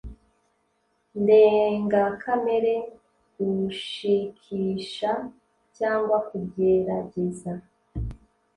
ndengakamere gushikisha cyangwa kugerageza